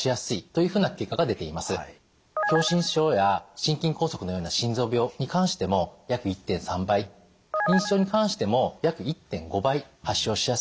狭心症や心筋梗塞のような心臓病に関しても約１．３倍認知症に関しても約１．５倍発症しやすいという報告があります。